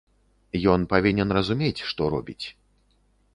Ён павінен разумець, што робіць.